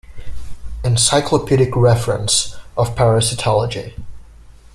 Encyclopedic Reference of Parasitology.